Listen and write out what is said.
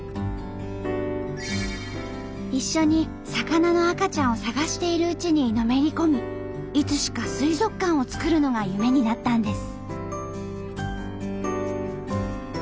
一緒に魚の赤ちゃんを探しているうちにのめり込みいつしか水族館を作るのが夢になったんです。